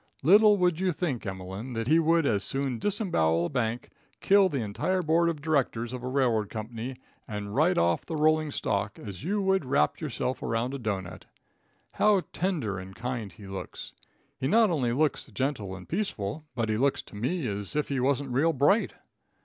Little would you think, Emeline, that he would as soon disembowel a bank, kill the entire board of directors of a railroad company and ride off the rolling stock, as you would wrap yourself around a doughnut. How tender and kind he looks. He not only looks gentle and peaceful, but he looks to me as if he wasn't real bright."